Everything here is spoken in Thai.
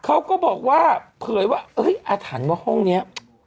เขาก็บอกว่าเผยว่าอาถรรพ์ว่าห้องนี้